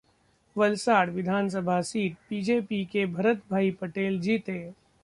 वलसाड विधानसभा सीट: बीजेपी के भरतभाई पटेल जीते